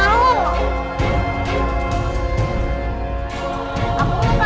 aku gak tahu apa aja